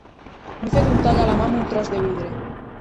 M'he fet un tall a la mà amb un tros de vidre.